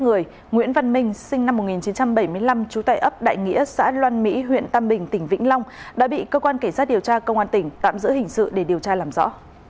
nguyễn văn minh sinh năm một nghìn chín trăm bảy mươi năm trú tại ấp đại nghĩa xã loan mỹ huyện tam bình tỉnh vĩnh long đã bị cơ quan cảnh sát điều tra công an tỉnh tạm giữ hình sự để điều tra làm rõ